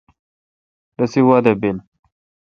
رسی وادہ بیل۔